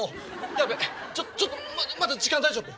やべっちょっまだ時間大丈夫？